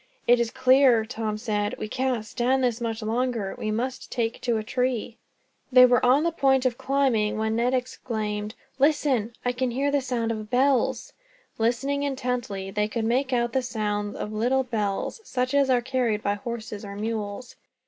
"It is clear," Tom said, "we cannot stand this much longer. We must take to a tree." They were on the point of climbing, when Ned exclaimed: "Listen! I can hear the sound of bells." Listening intently, they could make out the sound of little bells, such as are carried by horses or mules.